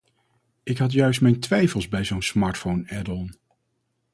Ik had juist mijn twijfels bij zo'n smartphone add-on.